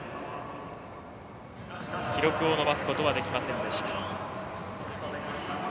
記録を伸ばすことはできませんでした。